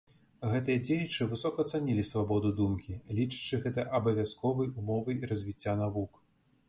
Гэтыя дзеячы высока цанілі свабоду думкі, лічачы гэта абавязковай умовай развіцця навук.